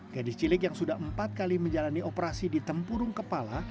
gadis cilik yang sudah empat kali menjalani operasi di tempurung kepala